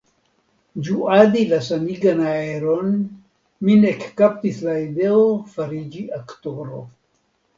Ĝuadi la sanigan aeron, min ekkaptis la ideo fariĝi aktoro.